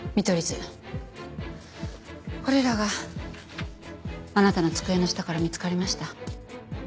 これらがあなたの机の下から見つかりました。